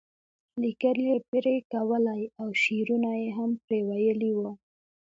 لیکل یې پرې کولی او شعرونه یې هم پرې ویلي وو.